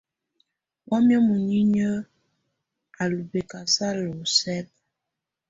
Wamɛ̀á muninyǝ́ á lɔ̀ bɛ̀kasala sɛ̀ba.